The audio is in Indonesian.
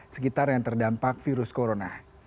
sekitar yang terdampak virus corona